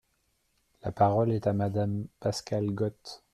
La parole est à Madame Pascale Got.